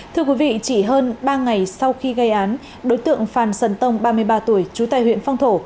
thưa quý vị chỉ hơn ba ngày sau khi gây án đối tượng phàn sần tông ba mươi ba tuổi chú tài huyện phong thổ